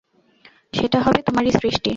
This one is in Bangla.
সেটা হবে তোমারই সৃষ্টি।